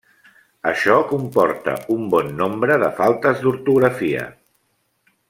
Això comporta un bon nombre de faltes d'ortografia.